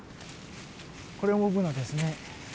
これもブナですね。